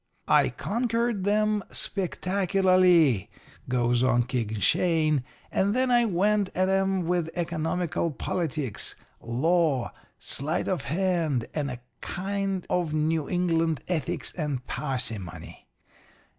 "'I conquered 'em, spectacularly,' goes on King Shane, 'and then I went at 'em with economical politics, law, sleight of hand, and a kind of New England ethics and parsimony.